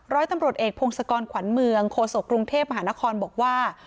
ร้อยตำรวจเอกพงศกรขวัญเมืองโคศกกรุงเทพมหานครบอกว่า